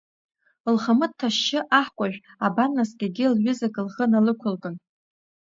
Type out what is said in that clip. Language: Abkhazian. Лхамы дҭашьшьы аҳкәажә, абан, наскьагьы, лҩызак лхы налықәылкын…